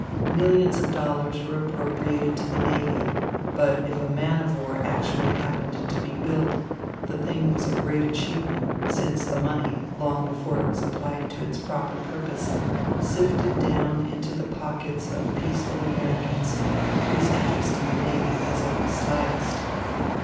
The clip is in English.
Millions of dollars were appropriated to the navy, but if a man of war actually happened to be built, the thing was a great achievement, since the money, long before it was applied to its proper purpose, sifted down into the pockets of peaceful Americans, whose interest in the navy was of the slightest.